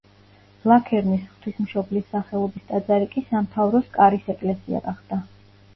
ვლაქერნის ღვთისმშობლის სახელობის ტაძარი კი სამთავროს კარის ეკლესია გახდა.